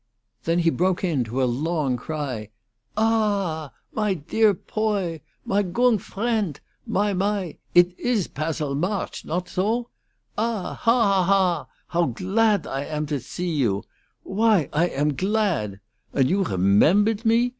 Then he broke into a long cry. "Ah h h h h, my dear poy! my gong friendt! my my Idt is Passil Marge, not zo? Ah, ha, ha, ha! How gladt I am to zee you! Why, I am gladt! And you rememberdt me?